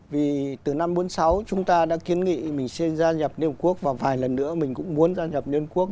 vì từ năm một nghìn chín trăm bốn mươi sáu chúng ta đã kiến nghị mình sẽ gia nhập liên hiệp quốc và vài lần nữa mình cũng muốn gia nhập liên hiệp quốc